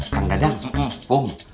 kang dadang kum